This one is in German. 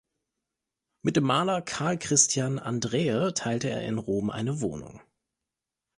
Mit dem Maler Karl Christian Andreae teilte er in Rom eine Wohnung.